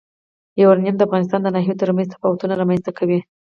یورانیم د افغانستان د ناحیو ترمنځ تفاوتونه رامنځ ته کوي.